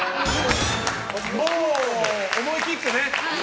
もう思い切ってね。